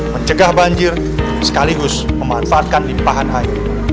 mencegah banjir sekaligus memanfaatkan limpahan air